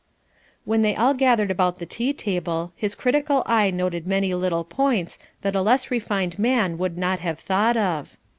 When they all gathered about the tea table, his critical eye noted many little points that a less refined man would not have thought of.